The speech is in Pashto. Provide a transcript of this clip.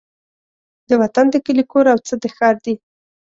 د وطن د کلي کور او څه د ښار دي